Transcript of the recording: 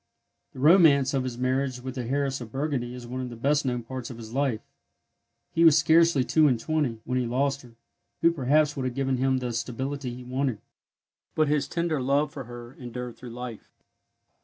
The romance of his marriage with the heiress of Burgundy is one of the best known parts of his life. He was scarcely two and twenty when he lost her, who perhaps would have given him the stability he wanted; but his tender hove for her endured through life.